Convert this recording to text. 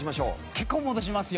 結構戻しますよ。